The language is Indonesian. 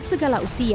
yang kalah usia